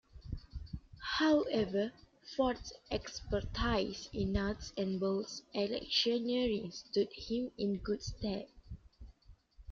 However, Ford's expertise in nuts and bolts electioneering stood him in good stead.